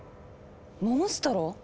モンストロ？